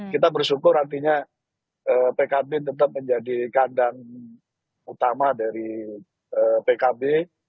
kita bersyukur artinya pkb tetap menjadi kandang utama dari pkb